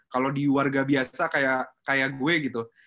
kalau di warga biasa kayak gue gitu